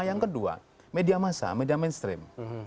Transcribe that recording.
yang kedua media massa media mainstream